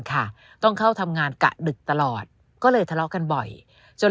ค่ะต้องเข้าทำงานกะดึกตลอดก็เลยทะเลาะกันบ่อยจน